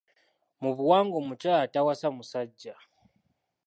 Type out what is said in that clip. Mu buwangwa omukyala tawasa musajja.